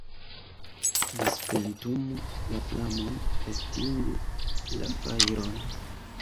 Disventumu la flamon, estingu la fajron!